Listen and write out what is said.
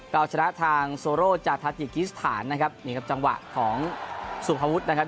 ก็เอาชนะทางจากนะครับนี่ครับจังหวะของนะครับ